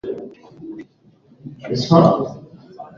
Mnyama kuvimba chini ya kidari ni dalili ya ugonjwa wa ndorobo